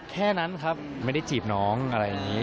แค่นั้นครับไม่ได้จีบน้องอะไรอย่างนี้